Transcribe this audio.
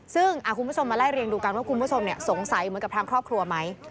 ซึ่งคุณผู้ชมมาไล่เรียงดูกันว่าคุณผู้ชมสงสัยเหมือนกับทางครอบครัวไหม